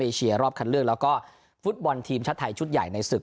เชียรอบคัดเลือกแล้วก็ฟุตบอลทีมชาติไทยชุดใหญ่ในศึก